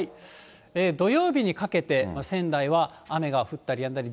土曜日にかけて、仙台は雨が降ったりやんだり。